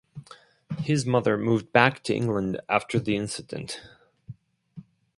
His mother moved back to England after the incident.